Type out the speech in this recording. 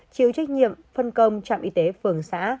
chịu trách nhiệm phân công trạm y tế phường xã